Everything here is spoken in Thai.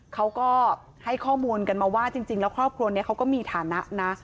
เขาก็ให้ข้อมูลกันมาว่าจริงแล้วครอบครัวนี้เขาก็มีฐานะนะ